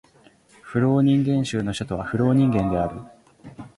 フローニンゲン州の州都はフローニンゲンである